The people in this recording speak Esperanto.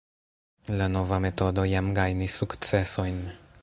La nova metodo jam gajnis sukcesojn.